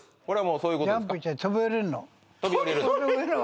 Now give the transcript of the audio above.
これはもうそういうことです